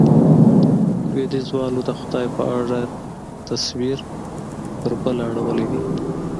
لوېديځوالو د خدای په اړه تصور، په بله اړولی دی.